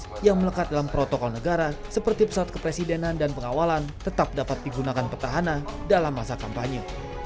yang melekat dalam protokol negara seperti pesawat kepresidenan dan pengawalan tetap dapat digunakan petahana dalam masa kampanye